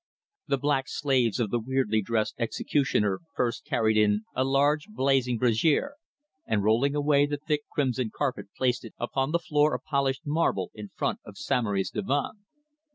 The black slaves of the weirdly dressed executioner first carried in a large blazing brazier, and rolling away the thick crimson carpet placed it upon the floor of polished marble in front of Samory's divan.